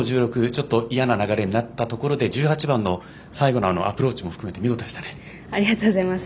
ちょっと嫌な流れになったところで１８番の最後のアプローチもありがとうございます。